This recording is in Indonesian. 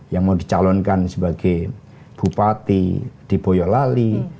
yang mau dicalonkan sebagai bupati di boyolali